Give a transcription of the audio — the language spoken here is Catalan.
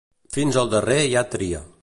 Fins al darrer hi ha tria.